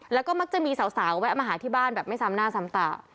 แล้วก็มักจะมีสาวแวะมาหาที่บ้านแบบไม่ซ้ำหน้าซ้ำตา